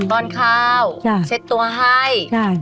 ป้อนข้าวเช็ดตัวให้